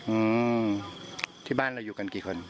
อืมที่บ้านเราอยู่กันกี่คน